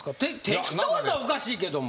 適当っておかしいけども。